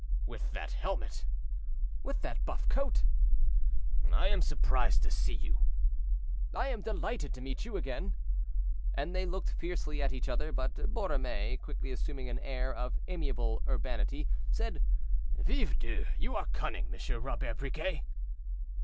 "With that helmet!" "With that buff coat!" "I am surprised to see you." "I am delighted to meet you again." And they looked fiercely at each other, but Borromée, quickly assuming an air of amiable urbanity, said, "Vive Dieu, you are cunning, M. Robert Briquet."